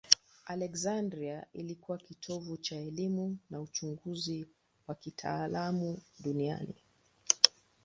Aleksandria ilikuwa kitovu cha elimu na uchunguzi wa kitaalamu duniani.